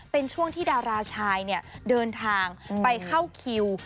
เป็นช่วงที่ดาราชายเดินทางไปเข้าคิว